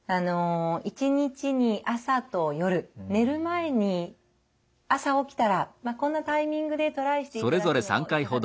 一日に朝と夜寝る前に朝起きたらこんなタイミングでトライしていただくのいかがでしょうか。